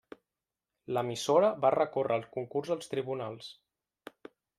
L'emissora va recórrer el concurs als tribunals.